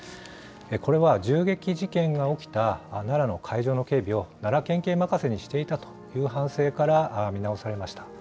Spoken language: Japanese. これは銃撃事件が起きた奈良の会場の警備を奈良県警任せにしていたという反省から見直されました。